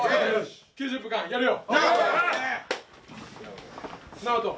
９０分間やるよ。